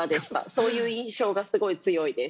そういう印象がすごい強いです。